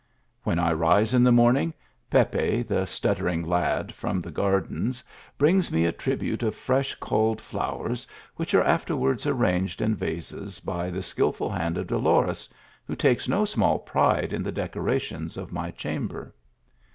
THE HO UtEHOLD . 53 When I rise in die morning, Pepe, the stuttering lad, from the gardens, brings me a tribute of fresh culled flowers, which are afterwards arranged in vases by the skilful hand of Dolores, who takes no small pride in the decorations of my chamber.